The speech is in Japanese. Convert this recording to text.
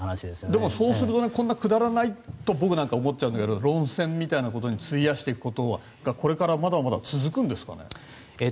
でもそうするとこんなくだらないと僕は思っちゃうんだけど論戦に費やしていくようなことが続くんですかね。